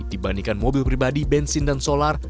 dibandingkan mobil pribadi bensin dan solar